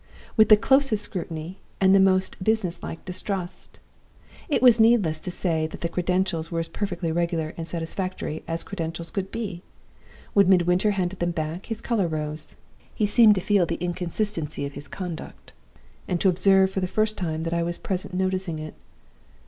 with the closest scrutiny and the most business like distrust. It is needless to say that the credentials were as perfectly regular and satisfactory as credentials could be. When Midwinter handed them back, his color rose: he seemed to feel the inconsistency of his conduct, and to observe for the first time that I was present noticing it.